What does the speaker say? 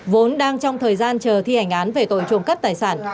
vốn đang trong thời gian chờ thi hành án về tội trộm cắt tài sản